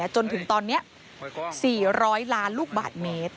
จนถึงตอนนี้๔๐๐ล้านลูกบาทเมตร